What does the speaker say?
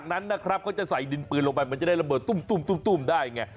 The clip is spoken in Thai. นั้นนะครับเขาจะใส่ดินปืนลงไปมันจะได้ระเบิดตุ้มได้ไง